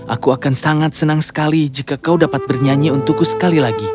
aku akan sangat senang sekali jika kau dapat bernyanyi untukku sekali lagi